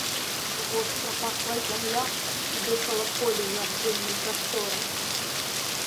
Востра пахла зямля, і дыхала поле неабдымным прасторам.